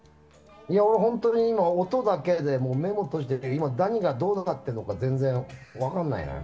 いや俺、本当に今、音だけで目も閉じてて今、何がどうなってるのか全然分からないのよ。